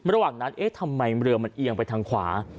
ระหว่างนั้นเอ๊ะทำไมเรือมันเอียงไปทางขวา